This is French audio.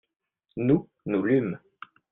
nous, nous lûmes.